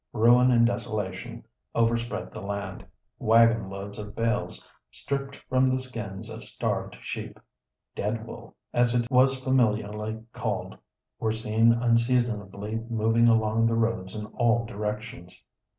Ruin and desolation overspread the land. Waggon loads of bales stripped from the skins of starved sheep—"dead wool" as it was familiarly called—were seen unseasonably moving along the roads in all directions.